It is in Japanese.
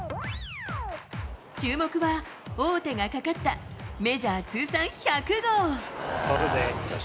注目は、王手がかかったメジャー通算１００号。